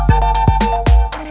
kau mau kemana